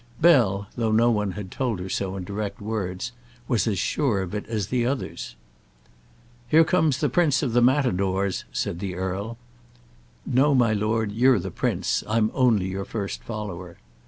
Bell, though no one had told her so in direct words, was as sure of it as the others. "Here comes the prince of matadores," said the earl. "No, my lord; you're the prince. I'm only your first follower."